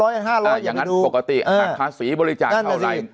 อย่างนั้นปกติหากภาษีบริจาคเท่าไหร่